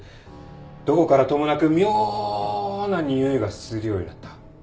どこからともなく妙な臭いがするようになった。